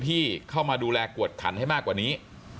ที่เข้ามาดูแลกวดขันให้มากกว่านี้